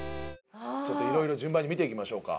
ちょっと色々順番に見ていきましょうか。